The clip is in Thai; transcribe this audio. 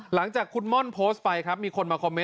หลังจากคุณม่อนโพสต์ไปครับ